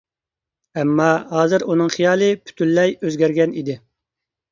ئەمما، ھازىر ئۇنىڭ خىيالى پۈتۈنلەي ئۆزگەرگەن ئىدى.